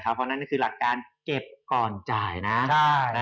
เพราะฉะนั้นก็คือหลักการเก็บก่อนจ่ายนะ